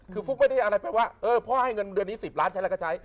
คือฟุ๊กไม่ได้อะไรแปลว่าเออพ่อให้เงินเดือนนี้๑๐ล้านใช้อะไรก็ใช้